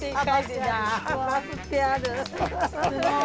すごい。